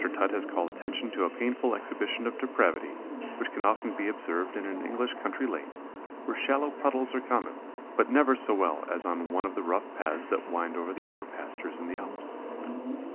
Tutt has called attention to a painful exhibition of depravity which can often be observed in an English country lane, where shallow puddles are common, but never so well as on one of the rough paths that wind over the upper pastures in the Alps.